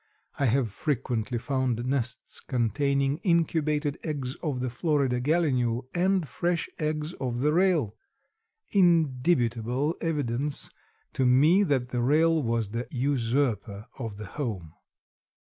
I have frequently found nests containing incubated eggs of the Florida gallinule and fresh eggs of the rail—indubitable evidence to me that the rail was the usurper of the home."